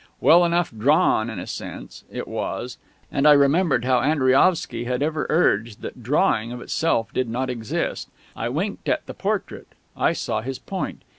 Well enough "drawn," in a sense, it was ... and I remembered how Andriaovsky had ever urged that "drawing," of itself, did not exist. I winked at the portrait. I saw his point.